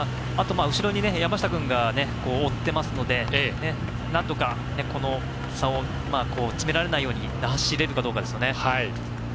後ろに山下君が追ってますのでなんとか、この差を詰められないように走れるかどうかですね。